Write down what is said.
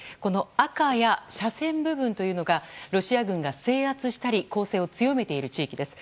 赤や斜線部分というのがロシア軍が制圧したり攻勢を強めている地域です。